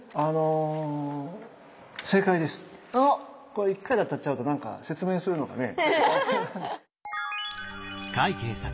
これ１回で当たっちゃうと何か説明するのがね。